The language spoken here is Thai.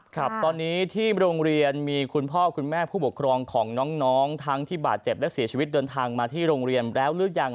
ครับตอนนี้ที่โรงเรียนมีคุณพ่อคุณแม่ผู้ปกครองของน้องทั้งที่บาดเจ็บและเสียชีวิตเดินทางมาที่โรงเรียนแล้วหรือยัง